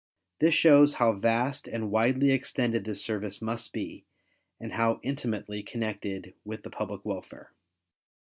This shows how vast and widely extended this service must be and how intimately connected with the public welfare.